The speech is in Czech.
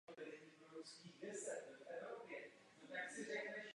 V těchto prostorách jsou také vyráběny a uchovávány jaderné hlavice.